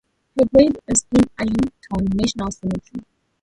Her grave is in Arlington National Cemetery.